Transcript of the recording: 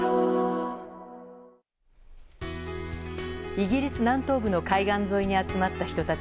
イギリス南東部の海岸沿いに集まった人たち。